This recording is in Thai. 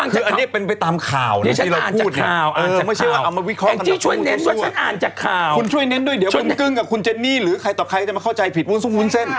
คืออันนี้เป็นไปตามข่าวนะที่เราพูดเนี่ยคุณช่วยเน้นด้วยเดี๋ยวคุณกึ้งกับคุณเจนนี่หรือใครต่อใครจะมาเข้าใจผิดวุ้นเส้น